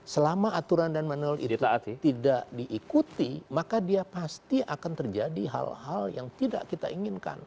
selama aturan dan manual itu tidak diikuti maka dia pasti akan terjadi hal hal yang tidak kita inginkan